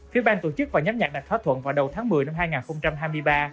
phía ban tổ chức và nhóm nhạc đạt thóa thuận vào đầu tháng một mươi năm hai nghìn hai mươi ba